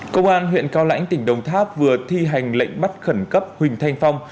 công an huyện cao lãnh tỉnh đồng tháp vừa thi hành lệnh bắt khẩn cấp huỳnh thanh phong